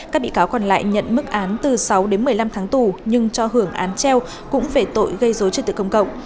các bị cáo còn lại nhận mức án từ sáu đến một mươi năm tháng tù nhưng cho hưởng án treo cũng về tội gây dối trật tự công cộng